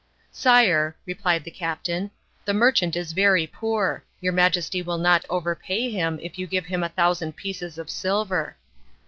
"Sire," replied the captain, "the merchant is very poor. Your Majesty will not overpay him if you give him a thousand pieces of silver."